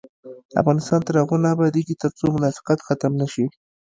افغانستان تر هغو نه ابادیږي، ترڅو منافقت ختم نشي.